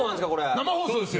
生放送ですか？